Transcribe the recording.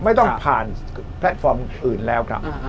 ไม่ต้องผ่านแพลตฟอร์มอื่นแล้วครับ